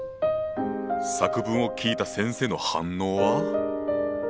作文を聞いた先生の反応は。